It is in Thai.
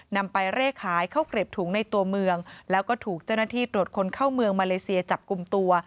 นำไปเร่ขายข้าวเกร็บถุงในตัวเมืองแล้วก็ถูกเจ้าหน้าที่ตรวจคนเข้าเมืองมาเลเซียจับกลุ่มตัว